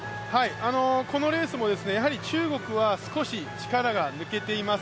このレースも中国は少し力が抜けています。